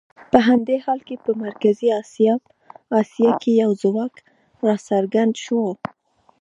په همدې حال کې په مرکزي اسیا کې یو ځواک راڅرګند شو.